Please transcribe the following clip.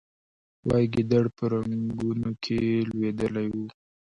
وایي ګیدړ په رنګونو کې لوېدلی و.